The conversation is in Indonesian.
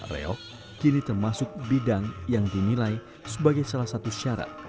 reok kini termasuk bidang yang dinilai sebagai salah satu syarat